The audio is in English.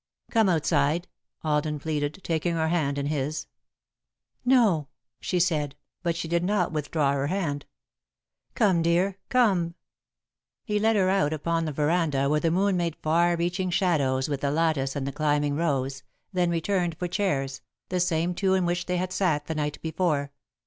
"Come outside," Alden pleaded, taking her hand in his. "No," she said, but she did not withdraw her hand. "Come, dear come!" He led her out upon the veranda where the moon made far reaching shadows with the lattice and the climbing rose, then returned for chairs, the same two in which they had sat the night before.